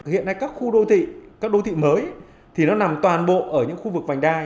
hiện nay các khu đô thị mới thì nó nằm toàn bộ ở những khu vực vành đai